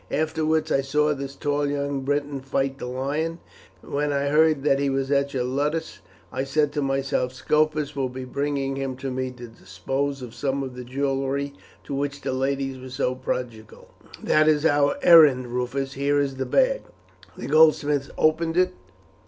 Afterwards I saw this tall young Briton fight the lion, and when I heard that he was at your ludus I said to myself, 'Scopus will be bringing him to me to dispose of some of the jewelry to which the ladies were so prodigal.'" "That is our errand, Rufus. Here is the bag." The goldsmith opened it.